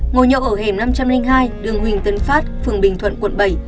ngồi nhậu ở hẻm năm trăm linh hai đường huỳnh tấn phát phường bình thuận quận bảy